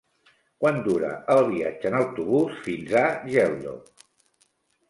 Quant dura el viatge en autobús fins a Geldo?